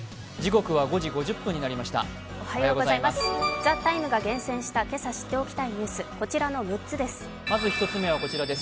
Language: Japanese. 「ＴＨＥＴＩＭＥ，」が厳選した知っておきたいニュース、まずはこちらです。